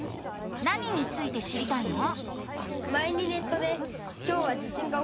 何について知りたいの？